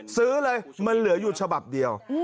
ซื้อเลยมันเหลืออยู่ฉบับเดียว